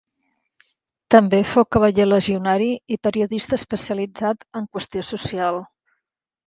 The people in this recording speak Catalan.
També fou Cavaller Legionari i periodista especialitzat en la qüestió social.